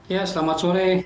ya selamat sore